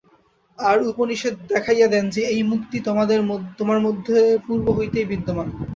আর উপনিষদ দেখাইয়া দেন যে, ঐ মুক্তি তোমার মধ্যে পূর্ব হইতেই বিদ্যমান।